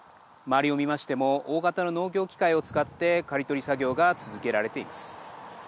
周りを見ましても大型の農業機械を使って刈り取り作業が続けられています。